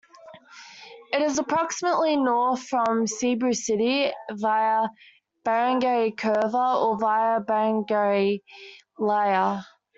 It is approximately north from Cebu City via barangay Curva, or via barangay Luya.